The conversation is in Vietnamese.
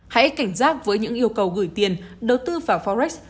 hãy cảnh giác với những yêu cầu gửi tiền đầu tư vào forex